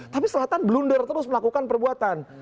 tapi selatan blunder terus melakukan perbuatan